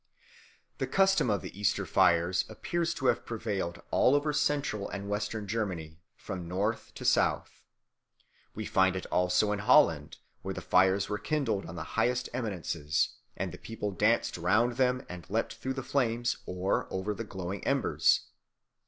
The custom of the Easter fires appears to have prevailed all over Central and Western Germany from north to south. We find it also in Holland, where the fires were kindled on the highest eminences, and the people danced round them and leaped through the flames or over the glowing embers.